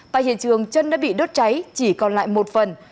tại hiện trường chân đã bị đốt cháy chỉ còn lại một phần